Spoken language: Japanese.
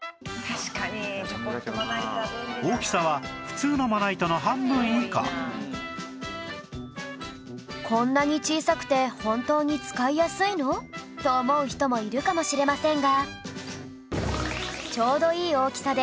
大きさは「こんなに小さくて本当に使いやすいの？」と思う人もいるかもしれませんが